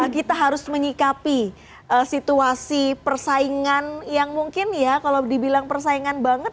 kita harus menyikapi situasi persaingan yang mungkin ya kalau dibilang persaingan banget